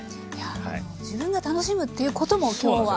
自分が楽しむっていうことも今日は。